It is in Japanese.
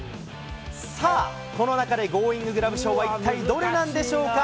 さあ、この中でゴーインググラブ賞は一体どれなんでしょうか。